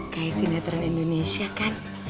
kayak sinetron indonesia kan